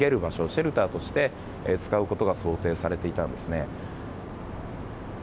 シェルターとして使うことが想定されていたんですね。